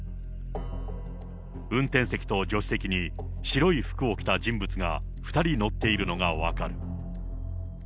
運転席と助手席に、白い服を着た人物が２人乗っているのが分かる。